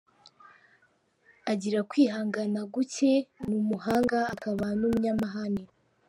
Agira kwihangana gucye, ni umuhanga, akaba n’umunyamahane.